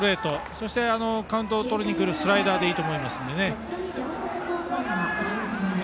そして、カウントをとりにくるスライダーでいいと思います。